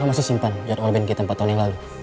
lo masih simpan jadwal bank kita empat tahun yang lalu